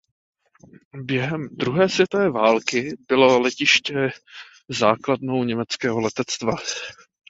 Během druhé světové války bylo letiště základnou Německého letectva.